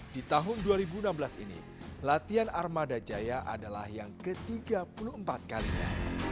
di tahun dua ribu enam belas ini latihan armada jaya adalah yang ke tiga puluh empat kalinya